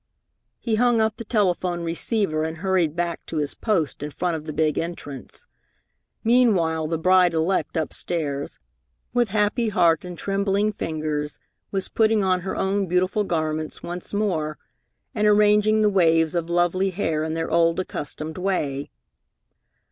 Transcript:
He hung up the telephone receiver and hurried back to his post in front of the big entrance. Meanwhile the bride elect upstairs, with happy heart and trembling fingers, was putting on her own beautiful garments once more, and arranging the waves of lovely hair in their old accustomed way.